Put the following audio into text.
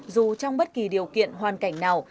dù trong bất kỳ điều kiện hoàn cảnh nào